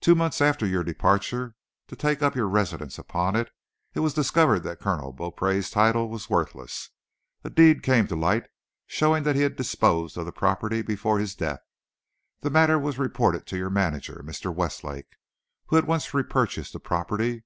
Two months after your departure to take up your residence upon it, it was discovered that Colonel Beaupree's title was worthless. A deed came to light showing that he disposed of the property before his death. The matter was reported to your manager, Mr. Westlake, who at once repurchased the property.